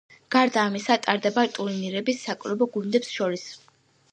გარდა ამისა ტარდება ტურნირები საკლუბო გუნდებს შორის.